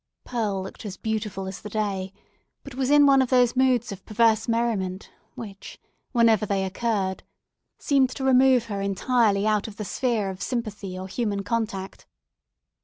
Pearl looked as beautiful as the day, but was in one of those moods of perverse merriment which, whenever they occurred, seemed to remove her entirely out of the sphere of sympathy or human contact.